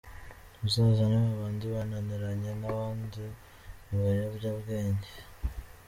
Muzazane ba bandi bananiranye, ba bandi ibiyobyabwenge